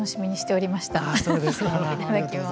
いただきます。